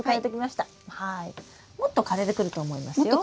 もっと枯れてくると思いますよ。